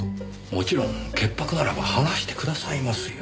もちろん潔白ならば話してくださいますよ。